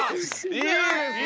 いいですね！